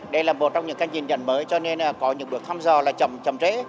đây là một trong những canh nhìn nhận mới cho nên có những bước thăm dò là chậm trễ